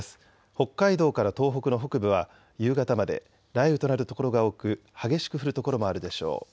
北海道から東北の北部は夕方まで雷雨となる所が多く激しく降る所もあるでしょう。